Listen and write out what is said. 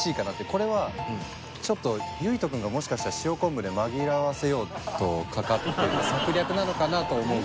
これはちょっと優惟人君がもしかしたら塩昆布で紛らわせようとかかってる策略なのかなと思うぐらい。